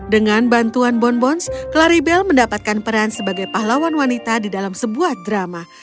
dengan bantuan bonbons claribel mendapatkan peran sebagai pahlawan wanita di dalam sebuah drama